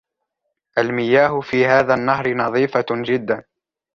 المياه في هذا النهر نظيفة جدا.